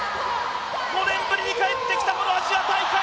５年ぶりに帰ってきたこのアジア大会！